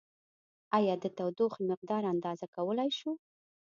ایا د تودوخې مقدار اندازه کولای شو؟